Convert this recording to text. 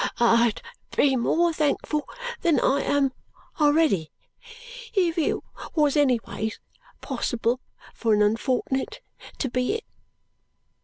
I'd be more thankful than I am aready if it wos any ways possible for an unfortnet to be it."